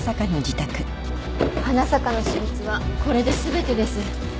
花坂の私物はこれで全てです